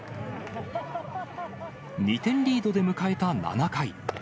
２点リードで迎えた７回。